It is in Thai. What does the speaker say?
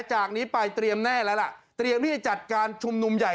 จากนี้ไปเตรียมแน่แล้วล่ะเตรียมที่จะจัดการชุมนุมใหญ่